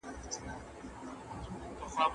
کلیوال خلک د کار لپاره ښار ته ځي.